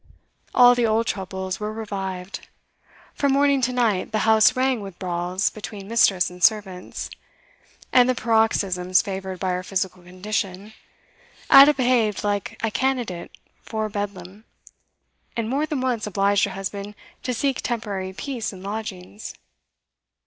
All the old troubles were revived; from morning to night the house rang with brawls between mistress and servants; in the paroxysms favoured by her physical condition, Ada behaved like a candidate for Bedlam, and more than once obliged her husband to seek temporary peace in lodgings.